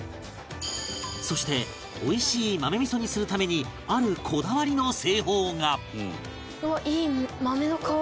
そして美味しい豆味噌にするためにあるうわっいい。